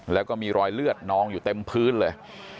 แล้วก็มีรอยเลือดนองอยู่เต็มพื้นเลย